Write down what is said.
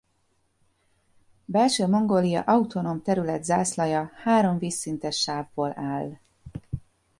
Belső-Mongólia Autonóm Terület zászlaja három vízszintes sávból áll.